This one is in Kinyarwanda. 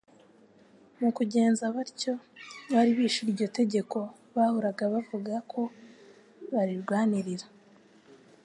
Mu kugenza batyo bari bishe iryo tegeko bahoraga bavuga ko barirwanirira.